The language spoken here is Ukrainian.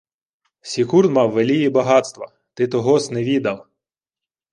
— Сікурд мав велії багатства. Ти того-с не відав.